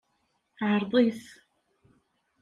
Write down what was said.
Ɛṛeḍ-it.